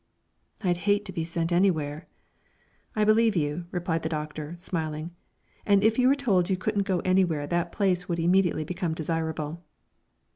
"I'd hate to be sent anywhere." "I believe you," replied the Doctor, smiling; "and if you were told you couldn't go anywhere that place would immediately become desirable."